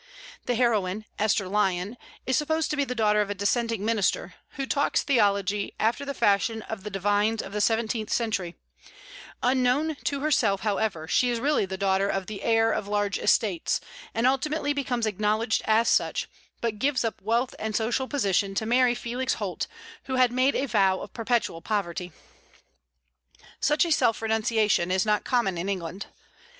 The heroine, Esther Lyon, is supposed to be the daughter of a Dissenting minister, who talks theology after the fashion of the divines of the seventeenth century; unknown to herself, however, she is really the daughter of the heir of large estates, and ultimately becomes acknowledged as such, but gives up wealth and social position to marry Felix Holt, who had made a vow of perpetual poverty. Such a self renunciation is not common in England.